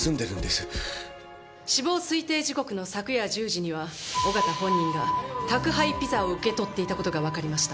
死亡推定時刻の昨夜１０時には小形本人が宅配ピザを受け取っていた事がわかりました。